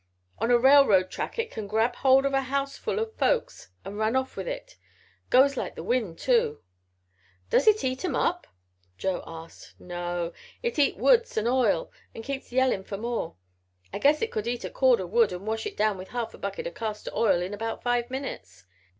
"On a railroad track it can grab hold of a house full o' folks and run off with it. Goes like the wind, too." "Does it eat 'em up?" Joe asked. "No. It eats wood and oil and keeps yellin' for more. I guess it could eat a cord o' wood and wash it down with half a bucket o' castor oil in about five minutes.